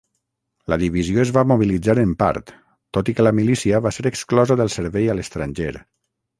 La divisió es va mobilitzar en part, tot i que la milícia va ser exclosa del servei a l'estranger.